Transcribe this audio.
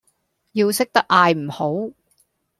要識得嗌唔好